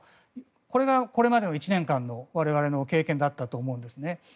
これがこれまでの１年間の我々の経験だったと思うんですね。